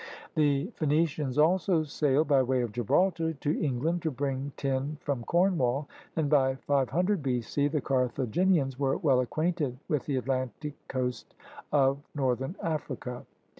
The Phenicians also sailed by way of Gibraltar to Eng land to bring tin from Cornwall, and by 500 B.C. the Carthaginians were well acquainted with the Atlantic coast of northern Africa.